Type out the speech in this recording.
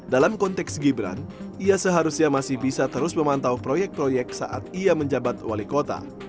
dalam konteks gibran ia seharusnya masih bisa terus memantau proyek proyek saat ia menjabat wali kota